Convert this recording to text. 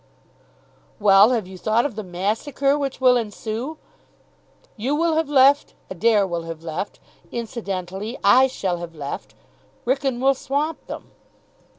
"Well, have you thought of the massacre which will ensue? You will have left, Adair will have left. Incidentally, I shall have left. Wrykyn will swamp them."